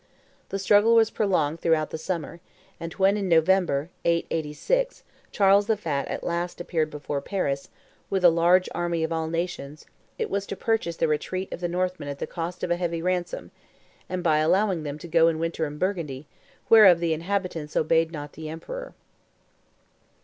The struggle was prolonged throughout the summer; and when, in November, 886, Charles the Fat at last appeared before Paris, "with a large army of all nations," it was to purchase the retreat of the Northmen at the cost of a heavy ransom, and by allowing them to go and winter in Burgundy, "whereof the inhabitants obeyed not the emperor."